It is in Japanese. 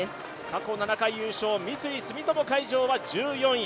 過去７回優勝三井住友海上は１４位。